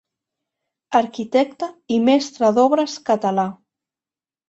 Arquitecte i mestre d'obres català.